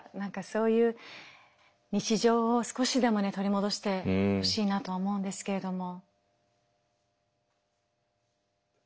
そういう日常を少しでも取り戻してほしいなと思うんですけれども。